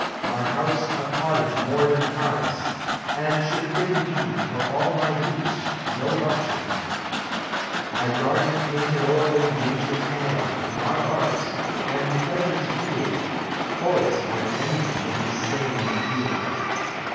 My house a cottage more Than palace ; and should fitting be For all my use, no luxury. My garden painted o'er With Nature's hand, not Art's ; and pleasures yield, Horace might envy in his Sabine field.